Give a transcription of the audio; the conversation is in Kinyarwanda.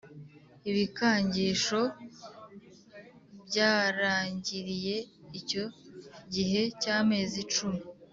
ibikangisho byarangiriye Icyo gihe cy amezi cumi